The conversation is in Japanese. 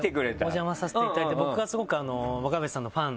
お邪魔させていただいて僕はスゴく若林さんのファン。